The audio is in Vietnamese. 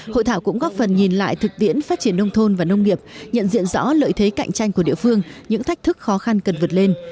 hội thảo cũng góp phần nhìn lại thực tiễn phát triển nông thôn và nông nghiệp nhận diện rõ lợi thế cạnh tranh của địa phương những thách thức khó khăn cần vượt lên